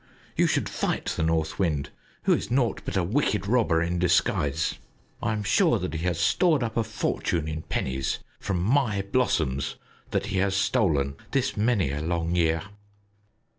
You should fight the North Wind, who is naught but a wicked robber in disguise. I am sure that he has stored up a fortune in pennies from my blossoms that he has stolen this many a long year."